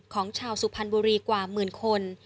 ของชาวสุพรรณบุรีกว่าหมื่นคน